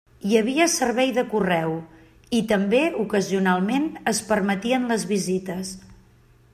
Hi havia servei de correu i, també ocasionalment, es permetien les visites.